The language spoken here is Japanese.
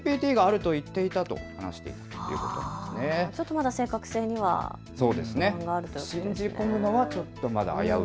まだ正確性には疑問があるということですか。